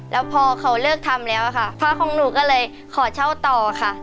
แล้วพอเขาเลิกทำแล้วค่ะพ่อของหนูก็เลยขอเช่าต่อค่ะ